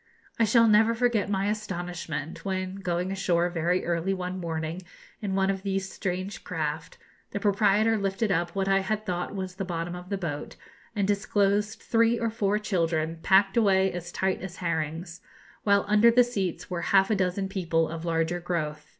I never shall forget my astonishment when, going ashore very early one morning in one of these strange craft, the proprietor lifted up what I had thought was the bottom of the boat, and disclosed three or four children, packed away as tight as herrings, while under the seats were half a dozen people of larger growth.